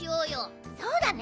そうだね。